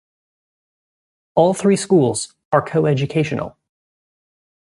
All three schools are coeducational.